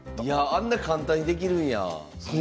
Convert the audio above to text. あんなに簡単にできるんや。